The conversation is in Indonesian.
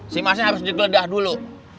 si masnya harus digeledah dulu